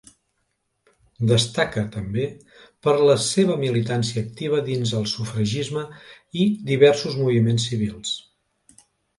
Destaca també per la seva militància activa dins el sufragisme i diversos moviments civils.